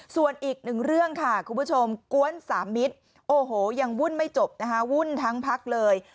ส่วนอีกหนึ่งเรื่องค่ะคุณผู้ชมกวนสามมิตรโอ้โหยังวุ่นไม่จบนะคะวุ่นทั้งพักเลย